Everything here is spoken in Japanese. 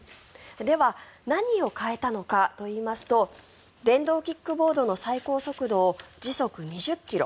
では何を変えたのかといいますと電動キックボードの最高速度を時速２０ｋｍ。